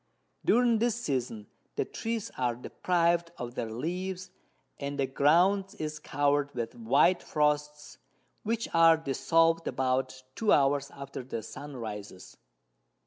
During this Season the Trees are depriv'd of their Leaves, and the Ground is cover'd with white Frosts, which are dissolved about 2 hours after the Sun rises.